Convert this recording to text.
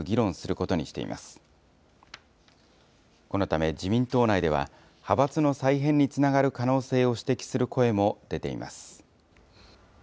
このため、自民党内では派閥の再編につながる可能性を指摘する声も出ています。